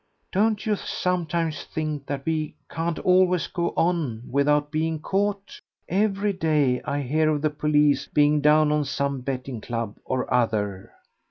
"Don't you sometimes think that we can't always go on without being caught? Every day I hear of the police being down on some betting club or other."